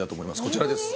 こちらです